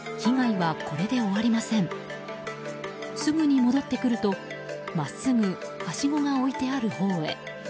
すぐに戻ってくると、真っすぐはしごが置いてあるほうへ。